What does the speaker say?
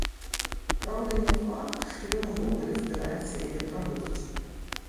Праўда, не факт, што ён увогуле збіраецца яе праводзіць.